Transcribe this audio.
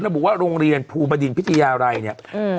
เพราะถ้าบอกว่าโรงเรียนภูมิบดินพิธียาไรเนี้ยอืม